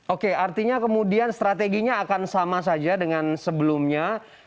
oke artinya kemudian strateginya akan sama saja dengan sebelumnya